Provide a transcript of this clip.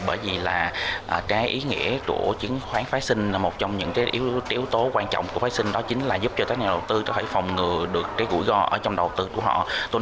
bởi vì ý nghĩa của chứng khoán phái sinh là một trong những yếu tố quan trọng của phái sinh đó chính là giúp cho nhà đầu tư phòng ngừa rủi ro trong đầu tư của họ